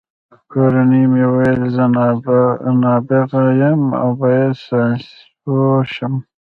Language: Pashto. کورنۍ مې ویل زه نابغه یم او باید ساینسپوه شم